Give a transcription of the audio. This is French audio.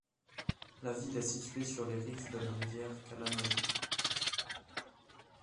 La ville est située sur les rives de la rivière Kalamazoo.